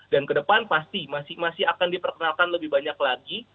dan ke depan pasti masih akan diperkenalkan lebih banyak lagi